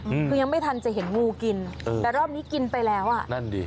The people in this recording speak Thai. อืมคือยังไม่ทันจะเห็นงูกินเออแต่รอบนี้กินไปแล้วอ่ะนั่นดิ